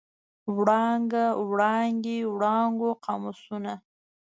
وړانګه، وړانګې، وړانګو، قاموسونه.